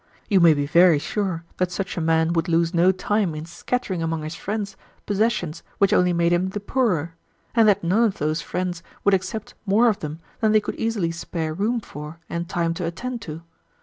You may be very sure that such a man would lose no time in scattering among his friends possessions which only made him the poorer, and that none of those friends would accept more of them than they could easily spare room for and time to attend to.